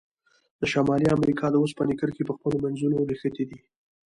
د شمالي امریکا د اوسپنې کرښې په خپلو منځونو نښتي دي.